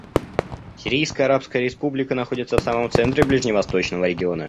Сирийская Арабская Республика находится в самом центре ближневосточного региона.